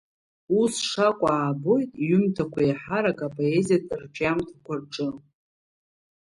Ус шакәу аабоит иҩымҭақәа еиҳарак ипоезиатә рҿиамҭақәа рҿы.